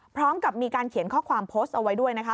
พร้อมกับมีการเขียนข้อความโพสต์เอาไว้ด้วยนะคะ